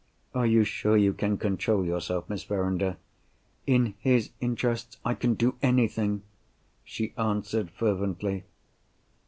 "Are you sure you can control yourself, Miss Verinder?" "In his interests, I can do anything!" she answered fervently.